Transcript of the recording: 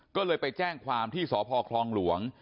ก็เลยไปแจ้งความที่สพคลองหลวง